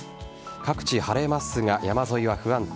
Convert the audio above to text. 各地晴れますが、山沿いは不安定。